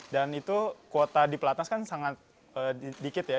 dan itu kuota di pelatnas kan sangat dikit ya